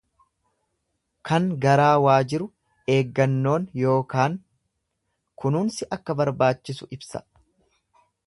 Kan garaa waa jiru eeggannoon yookaan kunuunsi akka barbaachisu ibsa.